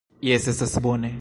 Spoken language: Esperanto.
Jes, estas bone.